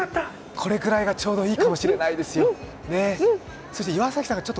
これぐらいがちょうどいいかもしれないですよ。